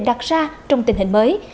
đặt ra trong tình hình mới